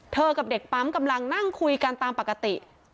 กับเด็กปั๊มกำลังนั่งคุยกันตามปกติ